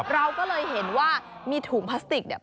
เราก็เลยเห็นว่ามีถุงพลาสติกเนี่ย